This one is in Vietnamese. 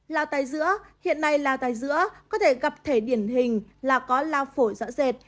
lao tai giữa hiện nay lao tai giữa có thể gặp thể điển hình là có lao phổi rõ rệt